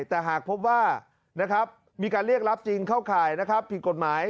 แต่หากพบว่ามีการเรียกรับจริงเข้าข่ายผิดกฎหมาย